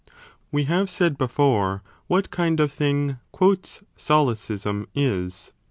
We have said before what kind of thing solecism is.